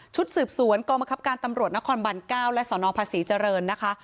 ชุดสืบสวนกรมกรับการตำรวจนครบันเก้าและสนองภาษีเจริญนะคะ